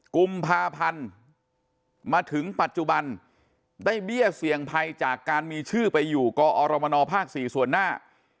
กุมภาพันธ์มาถึงปัจจุบันได้เบี้ยเสี่ยงภัยจากการมีชื่อไปอยู่กอรมนภ๔ส่วนหน้า